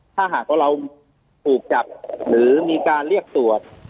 ถ้าหากว่าเราถูกจับหรือมีการเรียกตรวจ